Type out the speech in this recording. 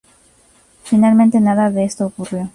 Finalmente, nada de esto ocurrió.